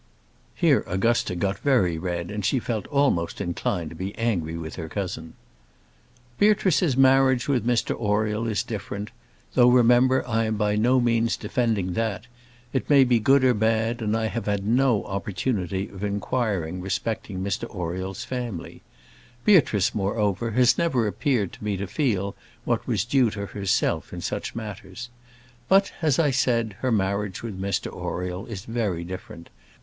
[Here Augusta got very red, and she felt almost inclined to be angry with her cousin.] Beatrice's marriage with Mr Oriel is different; though, remember, I am by no means defending that; it may be good or bad, and I have had no opportunity of inquiring respecting Mr Oriel's family. Beatrice, moreover, has never appeared to me to feel what was due to herself in such matters; but, as I said, her marriage with Mr Oriel is very different.